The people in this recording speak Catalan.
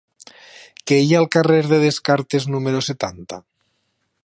Què hi ha al carrer de Descartes número setanta?